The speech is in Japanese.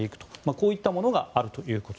こういったものがあると。